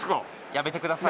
やめてください。